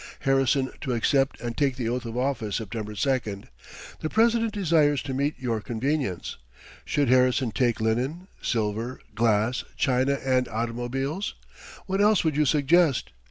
Harrison to accept and take the oath of office September 2nd. The President desires to meet your convenience. Should Harrison take linen, silver, glass, china and automobiles? What else would you suggest?